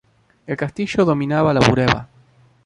El castillo dominaba La Bureba.